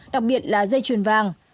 đặc biệt là dây chuyền vàng